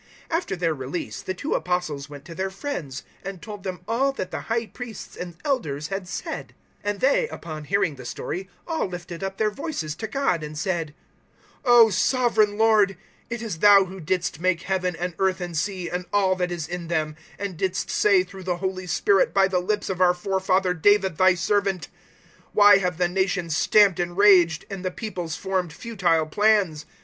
004:023 After their release the two Apostles went to their friends, and told them all that the High Priests and Elders had said. 004:024 And they, upon hearing the story, all lifted up their voices to God and said, "O Sovereign Lord, it is Thou who didst make Heaven and earth and sea, and all that is in them, 004:025 and didst say through the Holy Spirit by the lips of our forefather David Thy servant, "`Why have the nations stamped and raged, and the peoples formed futile plans?